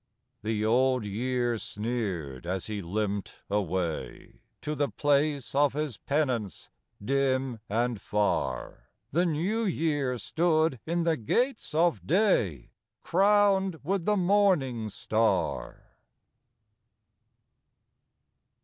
" The Old Year sneered as he limped away To the place of his penance dim and far. The New Year stood in the gates of day, Crowned with the morning star.